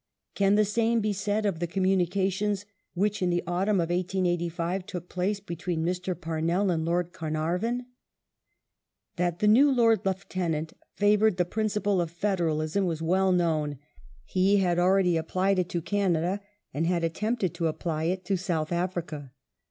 Can the same be said of the communications which, in the autumn of 1885, took place between Mr. Parnell and Lord Carnarvon ? That the new Lord Lieutenant favoured the principle of federalism was well known : he had already applied it to Canada and had attempted to apply it to South Africa.